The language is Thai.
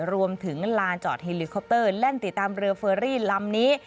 ลานจอดเฮลิคอปเตอร์แล่นติดตามเรือเฟอรี่ลำนี้